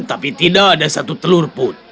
tapi tidak ada satu telur pun